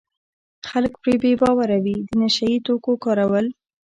خلک پرې بې باوره وي د نشه یي توکو کارول.